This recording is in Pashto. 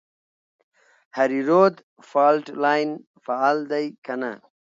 هریرود فالټ لاین فعال دی که نه؟